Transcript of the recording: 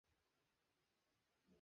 রান্না বলতে নিশ্চয়ই পুড়িয়ে ফেলা বুঝিয়েছ।